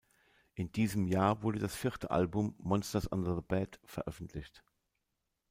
In diesem Jahr wurde das vierte Album "Monsters Under the Bed" veröffentlicht.